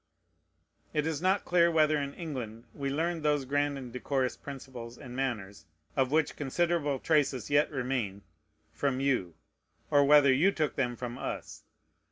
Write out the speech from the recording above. It is not clear whether in England we learned those grand and decorous principles and manners, of which considerable traces yet remain, from you, or whether you took them from us.